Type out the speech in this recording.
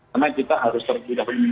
karena kita harus terus di duww